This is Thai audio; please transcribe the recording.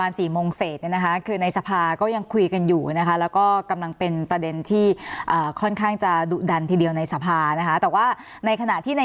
สนับสนุนโดยทีโพพิเศษถูกอนามัยสะอาดใสไร้คราบ